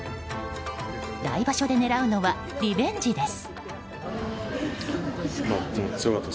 来場所で狙うのはリベンジです。